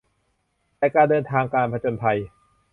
แต่การเดินทางการผจญภัย